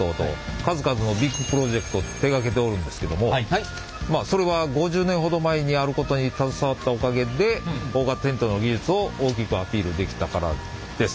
数々のビッグプロジェクト手がけてるおるんですけどもそれは５０年ほど前にあることに携わったおかげで大型テントの技術を大きくアピールできたからです。